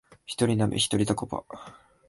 ひとりで鍋、ひとりでタコパ